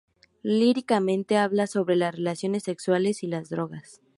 Líricamente, habla sobre las relaciones sexuales y las drogas.